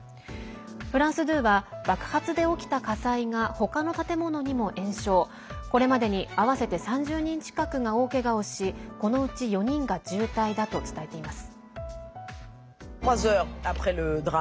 フランス２は爆発で起きた火災が他の建物にも延焼これまでに合わせて３０人近くが大けがをしこのうち４人が重体だと伝えています。